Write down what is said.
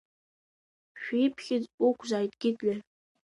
Шәиԥхьыӡ уқәзааит, Гитлер!